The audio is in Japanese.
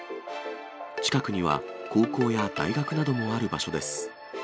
近くには高校や大学などもある場所です。